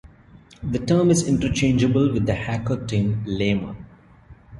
The term is interchangeable with the hacker term "lamer".